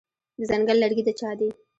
د ځنګل لرګي د چا دي؟